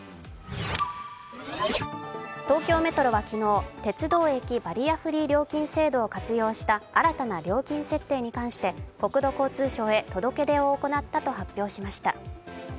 東京メトロは昨日、鉄道駅バリアフリー料金制度を活用した新たな料金設定に関して国土交通省へ届け出を行ったと発表しました。